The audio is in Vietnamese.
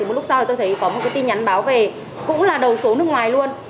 một lúc sau tôi thấy có một tin nhắn báo về cũng là đầu số nước ngoài luôn